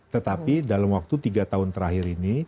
tetapi dalam waktu tiga tahun terakhir ini